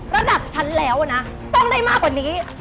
ระดับฉันแล้วนะต้องได้มากกว่านี้